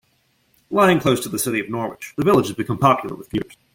Lying close to the city of Norwich the village has become popular with commuters.